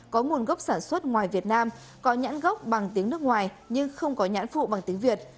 có nguồn gốc sản xuất ngoài việt nam có nhãn gốc bằng tiếng nước ngoài nhưng không có nhãn phụ bằng tiếng việt